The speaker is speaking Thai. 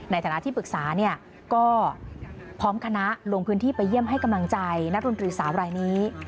ในฐานะที่ปรึกษาเนี่ยก็พร้อมคณะลงพื้นที่ไปเยี่ยมให้กำลังใจนักดนตรีสาวรายนี้